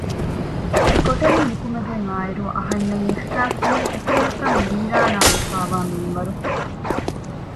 އެކޮޓަރިން ނިކުމެގެން އާއިރު އަހަންނަށް އިޙްޞާސްވީ އެކުވެރިކަން ވީރާނާވެފައިވާ މިންވަރު